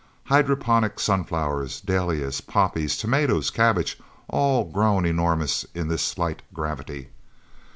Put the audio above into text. Hydroponic sunflowers, dahlias, poppies, tomatoes, cabbages, all grown enormous in this slight gravity.